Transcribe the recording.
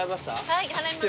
はい払います。